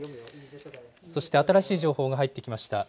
そして新しい情報が入ってきました。